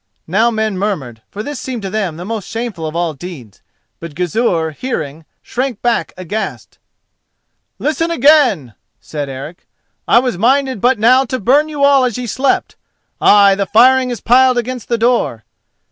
Now men murmured, for this seemed to them the most shameful of all deeds. But Gizur, hearing, shrank back aghast. "Listen again!" said Eric. "I was minded but now to burn you all as ye slept—ay, the firing is piled against the door.